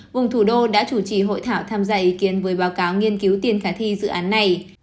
vùng thủ đô đã chủ trì hội thảo tham gia ý kiến với báo cáo nghiên cứu tiền khả thi dự án này